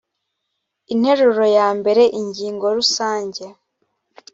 interuro ya mbere ingingo rusange